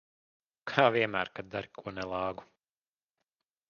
Kā vienmēr, kad dari ko nelāgu.